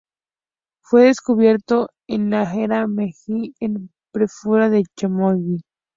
Fue descubierto en la era Meiji en la prefectura de Yamaguchi.